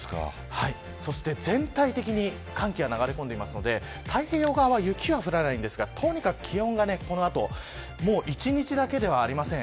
そして全体的に寒気が流れ込んでいるので、太平洋側は雪が降りませんがとにかく気温が１日だけではありません。